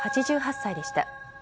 ８８歳でした。